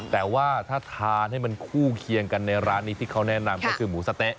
แต่ว่าถ้าทานให้มันคู่เคียงกันในร้านนี้ที่เขาแนะนำก็คือหมูสะเต๊ะ